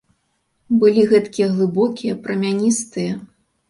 Былі гэткія глыбокія, прамяністыя.